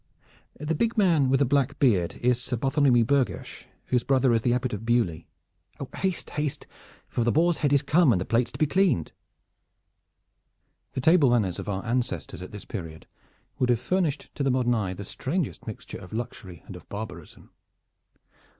The big man with the black beard is Sir Bartholomew Berghersh, whose brother is the Abbot of Beaulieu. Haste, haste! for the boar's head is come and the plate's to be cleaned." The table manners of our ancestors at this period would have furnished to the modern eye the strangest mixture of luxury and of barbarism.